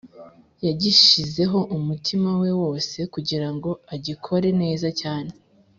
yagishizeho umutima we wose kugirango agikore neza cyane.